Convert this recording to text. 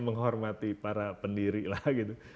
menghormati para pendiri lah gitu